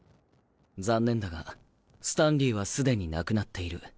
残念だがスタンリーはすでに亡くなっている。